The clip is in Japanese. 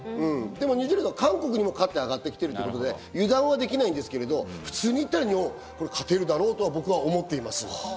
ニュージーランドは韓国にも勝って上がってきてるので油断はできないですけど、普通に行ったら日本が勝てるだろうと僕は思っています。